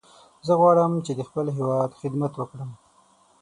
زه غواړم چې د خپل هیواد خدمت وکړم.